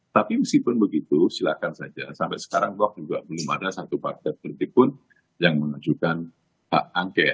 tapi meskipun begitu silahkan saja sampai sekarang belum ada satu partai tertipu yang menunjukkan hak